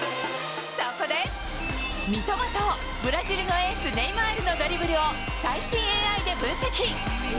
そこで、三笘とブラジルのエース、ネイマールのドリブルを、最新ＡＩで分析。